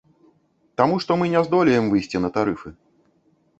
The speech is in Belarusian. Таму што мы не здолеем выйсці на тарыфы.